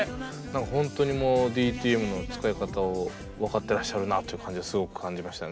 何か本当にもうＤＴＭの使い方を分かってらっしゃるなという感じはすごく感じましたね。